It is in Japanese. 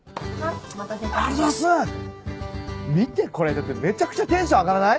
だってめちゃくちゃテンション上がらない？